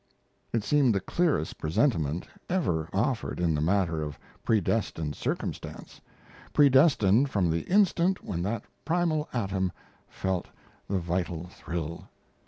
It seemed the clearest presentment ever offered in the matter of predestined circumstance predestined from the instant when that primal atom felt the vital thrill.